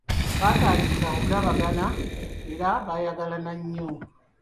Baatandika okulabagana era bayagalana nnyo .